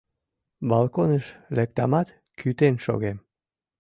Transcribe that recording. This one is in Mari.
Балконыш лектамат, кӱтен шогем.